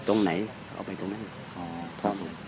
สวัสดีครับทุกคน